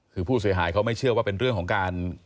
คือผู้เสียหายเขาไม่เชื่อว่าเป็นเรื่องของการ